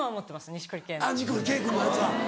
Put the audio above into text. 錦織圭君のやつは。